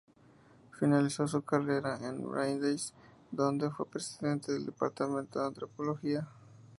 Finalizó su carrera en Brandeis, donde fue presidente del Departamento de Antropología.